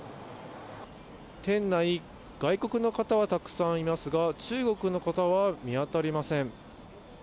店内、外国の方はたくさんいますが、中国の方は見当たりません。